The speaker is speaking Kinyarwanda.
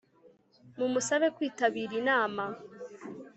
Mumusabe kwitabira inama